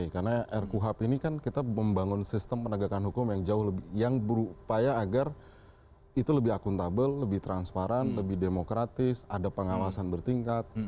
karena rqhap ini kan kita membangun sistem penegakan hukum yang jauh lebih yang berupaya agar itu lebih akuntabel lebih transparan lebih demokratis ada pengawasan bertingkat